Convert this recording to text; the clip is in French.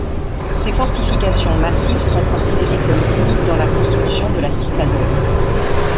Ces fortifications massives sont considérées comme uniques dans la construction de la citadelle.